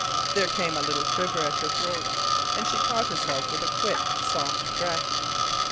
There came a little quiver at her throat, and she caught herself with a quick, soft breath.